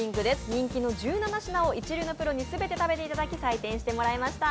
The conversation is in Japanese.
人気の１７品を一流のプロに全て食べていただき採点してもらいました。